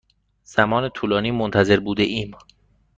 زمان طولانی منتظر بوده ایم.